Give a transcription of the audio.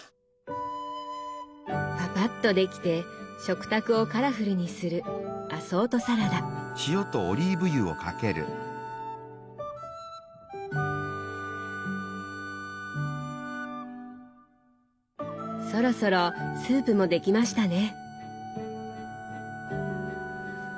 パパッとできて食卓をカラフルにするそろそろスープも出来ましたね。